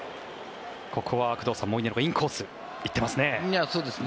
ここは工藤さん、モイネロがインコース、行ってますね。